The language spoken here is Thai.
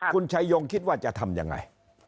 คุณชายงคิดว่าจะทำยังไง